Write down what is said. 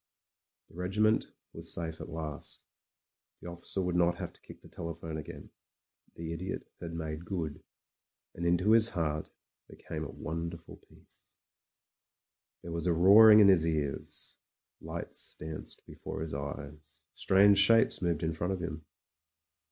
... The regiment was safe at last. The officer would not have to kidc the telephone again. The Idiot had made good. And into his heart there came a wonder ful peace. There was a roaring in his ears; lights danced be fore his eyes ; strange shapes moved in front of him.